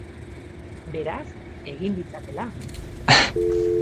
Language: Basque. Beraz, egin ditzatela.